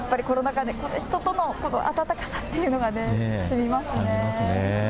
コロナ禍で人との温かさというのがしみますね。